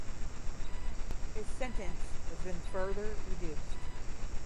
His sentence was then further reduced.